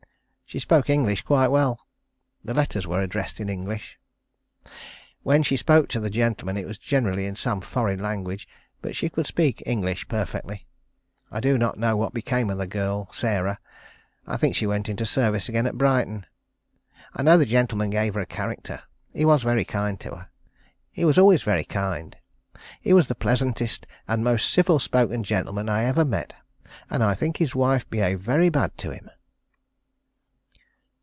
She spoke English quite well. The letters were addressed in English. When she spoke to the gentleman it was generally in some foreign language, but she could speak English perfectly. I do not know what became of the girl, Sarah. I think she went into service again at Brighton. I know the gentleman gave her a character. He was very kind to her. He was always very kind. He was the pleasantest and most civil spoken gentleman I ever met, and I think his wife behaved very bad to him.